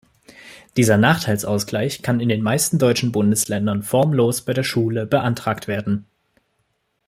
Dieser Nachteilsausgleich kann in den meisten deutschen Bundesländern formlos bei der Schule beantragt werden.